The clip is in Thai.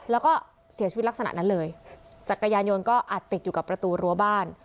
แล้วก็เสียชีวิตลักษณะนั้นเลยจักรยานยนต์ก็อัดติดอยู่กับประตูรั้วบ้าน